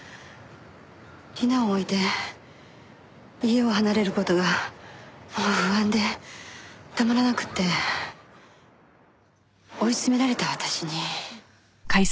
里奈を置いて家を離れる事がもう不安でたまらなくて追い詰められた私に。